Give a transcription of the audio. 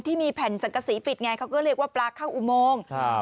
ที่มีแผ่นสังกษีปิดไงเขาก็เรียกว่าปลาเข้าอุโมงครับ